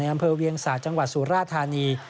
อำเภอเวียงศาสตร์จังหวัดสุราธานี